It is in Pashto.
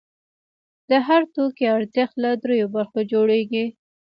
د هر توکي ارزښت له درېیو برخو جوړېږي